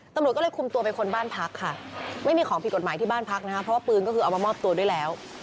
ตำรวจก็เลยคุมตัวไปค้นบ้านพักค่ะไม่มีของผิดกฎหมายที่บ้านพักนะคะเพราะว่าปืนก็คือเอามามอบตัวด้วยแล้ว